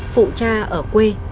phụ cha ở quê